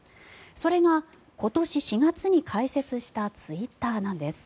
それが、今年４月に開設したツイッターなんです。